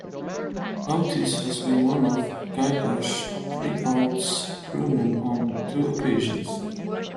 Otis has been one of Guybrush Threepwood's crewmen on two occasions.